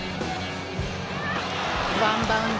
ワンバウンド。